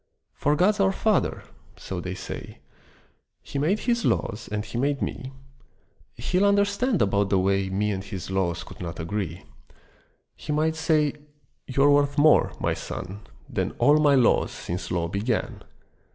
For God's our Father, so they say, He made His laws and He made me; He'll understand about the way Me and His laws could not agree. He might say, "You're worth more, My son, Than all My laws since law began.